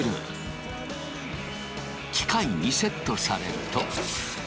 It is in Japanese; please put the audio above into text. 機械にセットされると。